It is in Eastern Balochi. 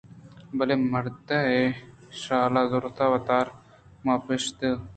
بلے مرد ءَ شال زُرت ءُ وتارا مانپٛوشت